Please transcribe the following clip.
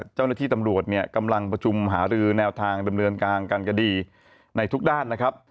เจ้าหน้าที่ตำรวจเนี่ยกำลังประชุมหารือแนวทางดำเนินการการคดีในทุกด้านนะครับ